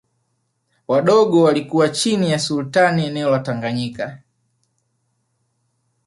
Wadogo walikuwa chini ya Sultani eneo la Tanganyika